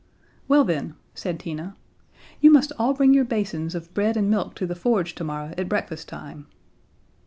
"Well, then," said Tina, "you must all bring your basins of bread and milk to the forge tomorrow at breakfast time."